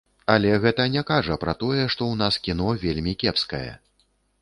Але гэта не кажа пра тое, што ў нас кіно вельмі кепскае.